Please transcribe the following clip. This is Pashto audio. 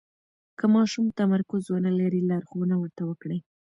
که ماشوم تمرکز ونلري، لارښوونه ورته وکړئ.